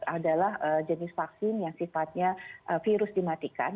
adalah jenis vaksin yang sifatnya virus dimatikan